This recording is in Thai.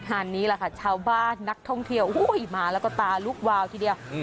งานนี้แหละค่ะชาวบ้านนักท่องเที่ยวมาแล้วก็ตาลุกวาวทีเดียว